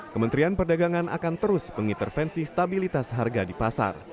kementerian perdagangan akan terus mengintervensi stabilitas harga di pasar